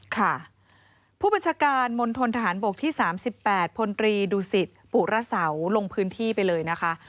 ค่ะผู้บัญชาการมณฑนทหารบกที่๓๘พลตรีดูสิตปุระเสาลงพื้นที่ไปเลยนะคะ